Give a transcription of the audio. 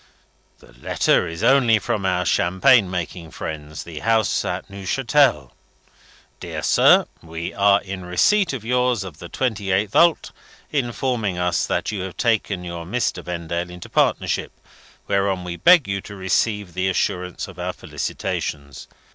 "The letter is only from our champagne making friends, the house at Neuchatel. 'Dear Sir. We are in receipt of yours of the 28th ult., informing us that you have taken your Mr. Vendale into partnership, whereon we beg you to receive the assurance of our felicitations.